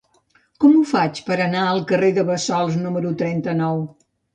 Com ho faig per anar al carrer de Bassols número trenta-nou?